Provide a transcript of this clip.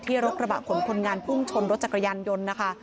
รถกระบะขนคนงานพุ่งชนรถจักรยานยนต์นะคะ